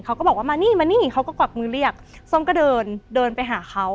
เขาก็บอกว่ามานี่มานี่เขาก็กวักมือเรียกส้มก็เดินเดินไปหาเขา